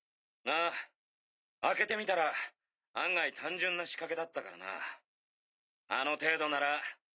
ああ開けてみたら案外単純な仕掛けだったからなあの程度なら。